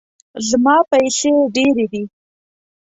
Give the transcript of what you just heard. زما پیسې ډیرې دي